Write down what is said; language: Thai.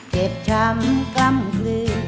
เจ็บช้ำกล้ำกลืน